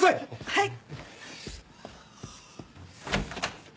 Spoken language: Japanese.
はい！